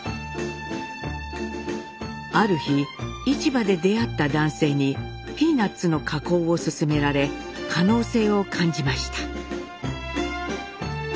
ある日市場で出会った男性にピーナッツの加工を勧められ可能性を感じました。